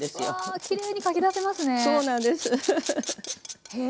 うわきれいにかき出せますね。